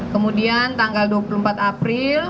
kemudian tanggal dua puluh empat april